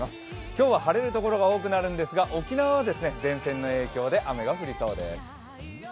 今日は晴れるところが多くなるんですが沖縄は前線の影響で雨が降りそうです。